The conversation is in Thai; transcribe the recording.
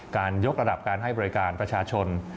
ยกระดับการให้บริการประชาชน